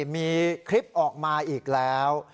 มีคลิปออกมาอีกแล้ว